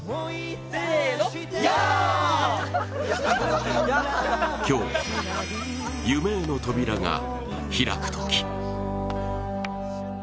仲間たちは今日、夢への扉が開くとき。